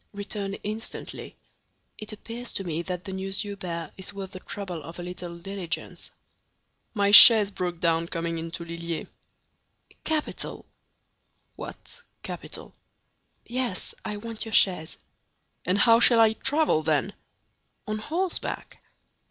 "Return instantly. It appears to me that the news you bear is worth the trouble of a little diligence." "My chaise broke down coming into Lilliers." "Capital!" "What, capital?" "Yes, I want your chaise." "And how shall I travel, then?" "On horseback."